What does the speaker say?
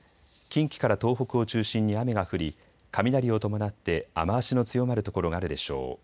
近畿から東北を中心に雨が降り雷を伴って雨足の強まる所があるでしょう。